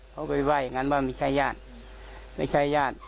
เขาก็ไปว่าอย่างนั้นว่าไม่ใช่ญาติไม่ใช่ญาติ